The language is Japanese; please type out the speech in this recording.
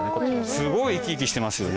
すごい生き生きしてますよね